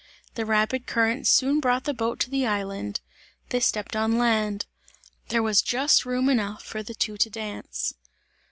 The rapid current soon brought the boat to the island; they stepped on land. There was just room enough for the two to dance.